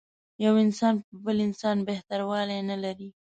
یو انسان په بل انسان بهتر والی نه لري.